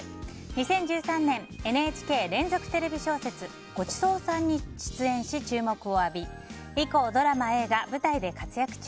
２０１３年ＮＨＫ連続テレビ小説「ごちそうさん」に出演し注目を浴び以降、ドラマ、映画、舞台で活躍中。